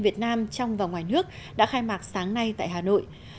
việt nam trong và ngoài nước đã khai mạc sáng nay tại hà nội